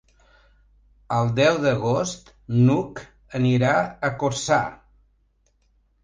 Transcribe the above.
El deu d'agost n'Hug anirà a Corçà.